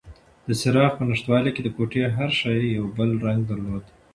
د څراغ په نشتوالي کې د کوټې هر شی یو بل رنګ درلود.